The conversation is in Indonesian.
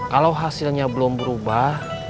kalau hasilnya belum berubah